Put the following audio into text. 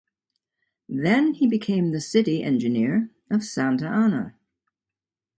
Then he became the City Engineer of Santa Ana.